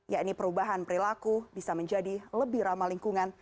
ya ini perubahan perilaku bisa menjadi lebih ramah lingkungan